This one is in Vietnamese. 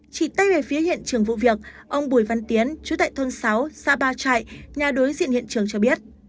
chỉ tay về phía hiện trường vụ việc ông bùi văn tiến chú tại thôn sáu xã ba trại nhà đối diện hiện trường cho biết